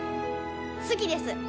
好きです。